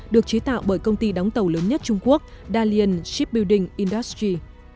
được chế tạo bởi công ty đóng tàu lớn nhất trung quốc dalian shipbuilding industry